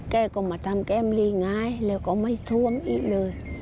แกก็มาทำแก้มลิงายแล้วก็ไม่ทวงอีกเลย